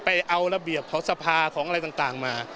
เอาระเบียบของสภาของอะไรต่างมา